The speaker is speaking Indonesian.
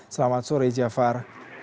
selamat sore jafar